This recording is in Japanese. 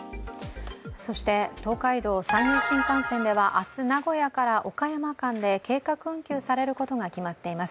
そして、東海道山陽新幹線では明日名古屋から岡山間で計画運休されることが決まっています。